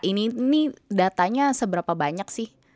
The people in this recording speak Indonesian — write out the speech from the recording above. ini datanya seberapa banyak